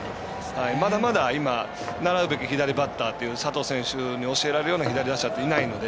まだまだ、今習うべき左バッター佐藤選手に教えられるような左打者っていないので。